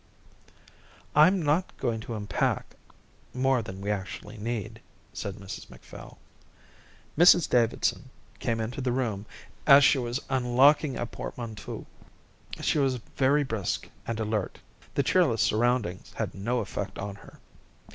"I'm not going to unpack more than we actually need," said Mrs Macphail. Mrs Davidson came into the room as she was unlocking a portmanteau. She was very brisk and alert. The cheerless surroundings had no effect on her.